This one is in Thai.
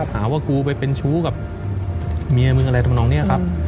หาว่ากูไปเป็นชู้กับเมียมึงอะไรทำนองนี้ครับ